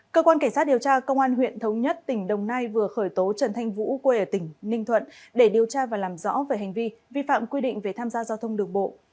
cơ quan cảnh sát điều tra công an huyện thống nhất tỉnh đồng nai vừa khởi tố trần thanh vũ quê ở tỉnh ninh thuận để điều tra và làm rõ về hành vi vi phạm quy định về tham gia giao thông đường bộ